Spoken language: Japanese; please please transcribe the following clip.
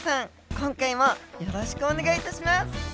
今回もよろしくお願い致します！